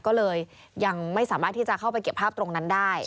ก็เลยยังไม่สามารถที่จะเข้าไปเก็บภาพตรงนั้นได้